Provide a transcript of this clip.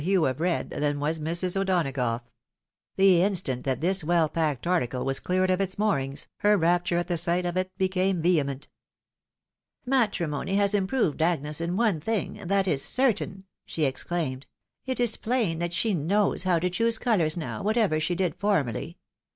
hue of red, than was Mrs. O'Donagough, The instant that this well packed article was cleared of its moorings, her rapture at the sight of it became vehement. "Matrimony has improTcd Agnes in one thing, that is certain !" she exclaimed. " It is plain that she knows how to choose colours now, whatever she did formerly.